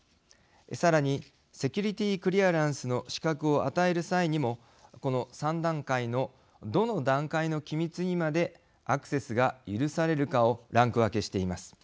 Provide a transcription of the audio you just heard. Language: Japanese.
さらにセキュリティークリアランスの資格を与える際にもこの３段階のどの段階の機密にまでアクセスが許されるかをランク分けしています。